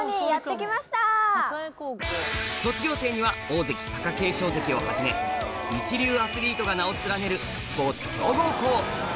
卒業生には大関貴景勝関をはじめ一流アスリートが名を連ねるスポーツ強豪校